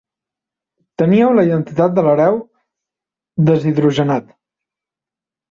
Teníeu la identitat de l'hereu deshidrogenat.